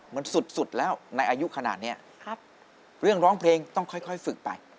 มันสุดแล้วในอายุขนาดนี้เรื่องร้องเพลงต้องค่อยฝึกไป